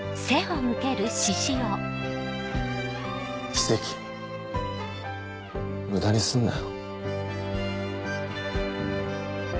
奇跡無駄にすんなよ。